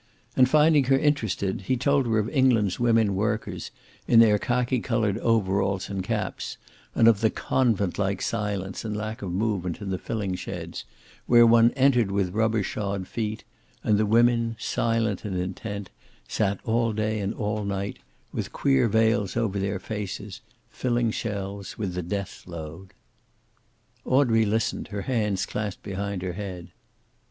And finding her interested, he told her of England's women workers, in their khaki colored overalls and caps, and of the convent like silence and lack of movement in the filling sheds, where one entered with rubber shod feet, and the women, silent and intent, sat all day and all night, with queer veils over their faces, filling shells with the death load. Audrey listened, her hands clasped behind her head.